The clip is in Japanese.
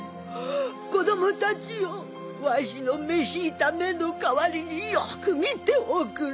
子供たちよわしの盲た目の代わりによく見ておくれ。